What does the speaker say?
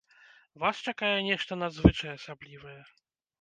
Вас чакае нешта надзвычай асаблівае!